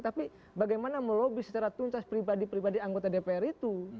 tapi bagaimana melobi secara tuntas pribadi pribadi anggota dpr itu